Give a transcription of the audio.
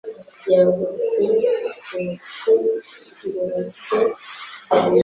Ntabwo ariwe wenyine ufite iki gitekerezo